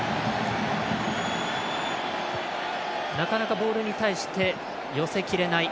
なかなかボールに対して寄せきれない。